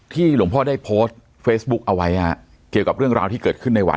หลวงพ่อได้โพสต์เฟซบุ๊กเอาไว้เกี่ยวกับเรื่องราวที่เกิดขึ้นในวัน